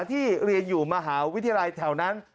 ที่เรียนอยู่มหาวิทยาลัยแถวนั้น